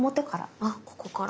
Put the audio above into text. あっここから。